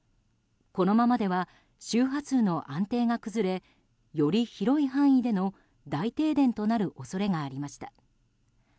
このままでは周波数の安定が崩れより広い範囲での大停電となる恐れがありました。